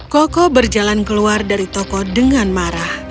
koko berjalan keluar dari toko dengan marah